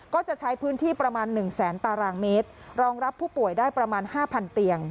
ก็จะใช้พื้นที่ประมาณหนึ่งแสนตารางเมตรรองรับผู้ป่วยได้ประมาณห้าพันเหล่า